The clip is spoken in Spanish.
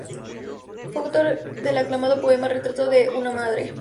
Fue autor del aclamado poema "Retrato de una Madre".